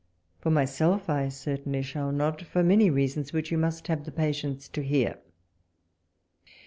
For, myself, I certainly shall not, for many reasons, which you must have the patience to hear.